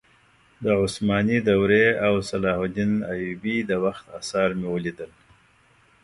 د عثماني دورې او صلاح الدین ایوبي د وخت اثار مې ولیدل.